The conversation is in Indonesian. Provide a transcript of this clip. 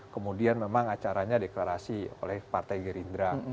kemudian memang acaranya deklarasi oleh partai gerindra